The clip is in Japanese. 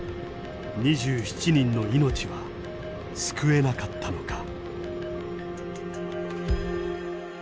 ２７人の命は救えなかったのか？